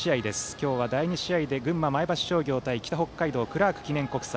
今日は第２試合で群馬・前橋商業対北北海道のクラーク国際。